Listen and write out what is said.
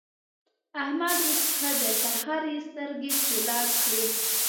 احمد اوس ښه دی؛ سهار يې سترګې چوله کړې.